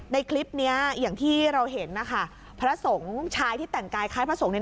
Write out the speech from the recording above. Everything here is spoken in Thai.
ในคลิปเนี้ยอย่างที่เราเห็นนะคะพระสงฆ์ชายที่แต่งกายคล้ายพระสงฆ์เนี่ย